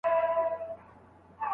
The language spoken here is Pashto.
نو په ذهن کي پاته کېږي.